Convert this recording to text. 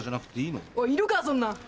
いるかそんなん！